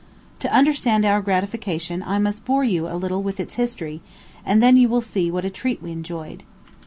To understand our gratification, I must bore you a little with its history, and then you will see what a treat we enjoyed.